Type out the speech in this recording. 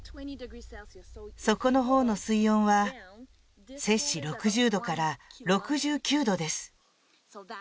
底の方の水温は摂氏６０度から６９度です